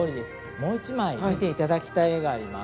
もう一枚見ていただきたい絵があります。